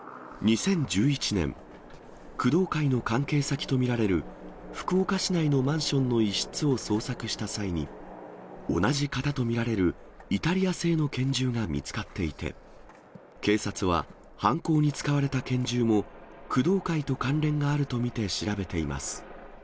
２０１１年、工藤会の関係先と見られる福岡市内のマンションの一室を捜索した際に、同じ型と見られるイタリア製の拳銃が見つかっていて、警察は、犯行に使われた拳銃も、工藤会と関連があると見て調べています。